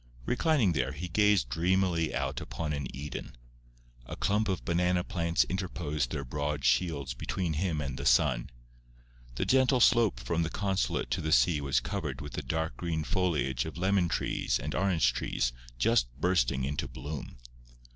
Reclining there, he gazed dreamily out upon an Eden. A clump of banana plants interposed their broad shields between him and the sun. The gentle slope from the consulate to the sea was covered with the dark green foliage of lemon trees and orange trees just bursting into bloom.